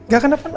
gak kena apa apa